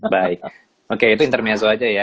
baik oke itu intermezo aja ya